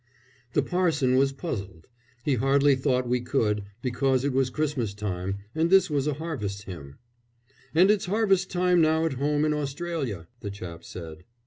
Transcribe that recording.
'" The parson was puzzled. He hardly thought we could, because it was Christmas time and this was a harvest hymn. "And it's harvest time now at home in Australia," the chap said.